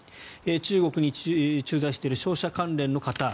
中国に駐在している商社関連の方。